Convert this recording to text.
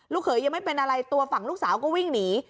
เขยยังไม่เป็นอะไรตัวฝั่งลูกสาวก็วิ่งหนี